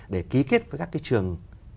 để ký kết với các trường